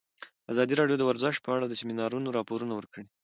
ازادي راډیو د ورزش په اړه د سیمینارونو راپورونه ورکړي.